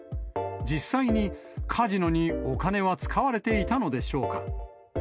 実際に、カジノにお金は使われていたのでしょうか。